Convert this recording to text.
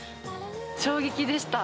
衝撃でした。